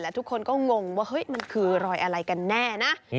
ทุกคนก็งงว่าเฮ้ยมันคือรอยอะไรกันแน่นะ